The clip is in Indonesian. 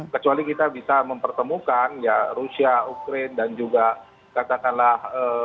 kecuali kita bisa mempertemukan ya rusia ukraine dan juga katakanlah